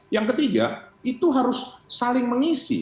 yang ketiga itu harus saling mengisi